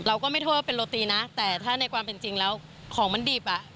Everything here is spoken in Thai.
เราก็ไม่โทษว่าเป็นโรตีนะแต่ถ้าในความเป็นจริงแล้วของมันดิบอ่ะ